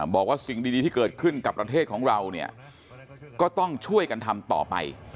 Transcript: บอกว่าสิ่งดีที่เกิดขึ้นกับประเทศของเราเนี่ยก็ต้องช่วยกันทำต่อไป